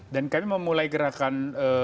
dan kami memulai gerakan